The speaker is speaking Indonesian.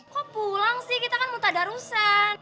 kok pulang sih kita kan mau tada arusan